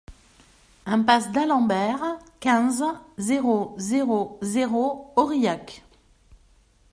Impasse d'Alembert, quinze, zéro zéro zéro Aurillac